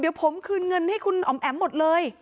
เดี๋ยวผมคืนเงินให้คุณอ๋อมแอ๋มหมดเลย